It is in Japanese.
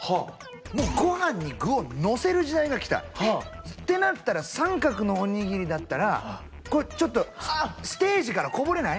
もうご飯に具をのせる時代が来たってなったら三角のおにぎりだったらこうちょっとステージからこぼれない？